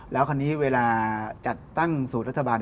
แล้วคราวนี้เวลาจัดตั้งสูตรรัฐบาล